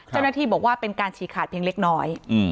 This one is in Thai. เจ้าหน้าที่บอกว่าเป็นการฉีกขาดเพียงเล็กน้อย